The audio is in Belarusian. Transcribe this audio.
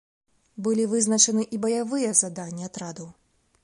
Былі вызначаны і баявыя заданні атрадаў.